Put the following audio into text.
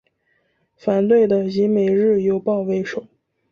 反对的以每日邮报为首。